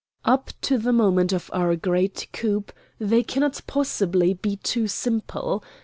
"Up to the moment of our great coup they cannot possibly be too simple.